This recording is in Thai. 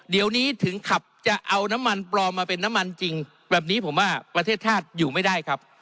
เดี๋ยวนี้ถึงขับจะเอาน้ำมันปลอมมาเป็นน้ำมันจริงแบบนี้ผมว่าประเทศชาติอยู่ไม่ได้ครับ